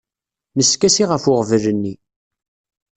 Neskasi ɣef uɣbel-nni.